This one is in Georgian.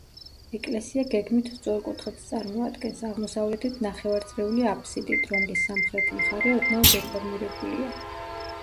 ეკლესია გეგმით სწორკუთხედს წარმოადგენს, აღმოსავლეთით ნახევარწრიული აბსიდით, რომლის სამხრეთი მხარე ოდნავ დეფორმირებულია.